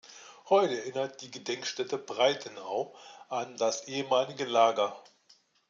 Heute erinnert die Gedenkstätte Breitenau an das ehemalige Lager.